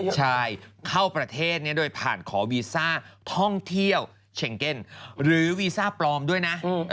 ใช่เข้าประเทศโดยผ่านขอวีซ่าท่องเที่ยวเช็งเก็นหรือวีซ่าปลอมด้วยนะ